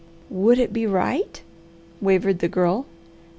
"Would it be right?" wavered the girl.